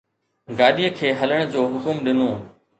گاڏيءَ کي هلڻ جو حڪم ڏنو